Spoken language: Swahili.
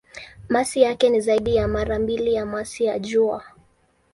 Masi yake ni zaidi ya mara mbili ya masi ya Jua.